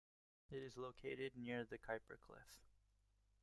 It is located near the Kuiper cliff.